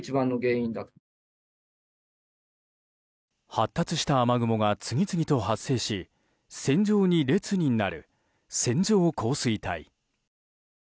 発達した雨雲が次々と発生し線状に列になる線状降水帯。